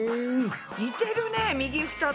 似てるね右２つ。